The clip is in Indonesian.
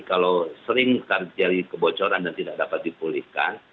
kalau sering terjadi kebocoran dan tidak dapat dipulihkan